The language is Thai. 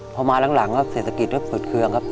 พอมาหลังเสร็จสกิจก็เปิดเครื่องครับ